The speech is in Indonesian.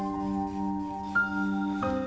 ini mau dibalian lookshildrift